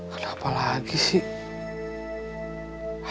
kenapa lagi sih